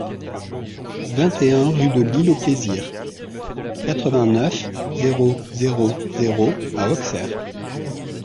vingt et un rue de l'Île aux Plaisirs, quatre-vingt-neuf, zéro zéro zéro à Auxerre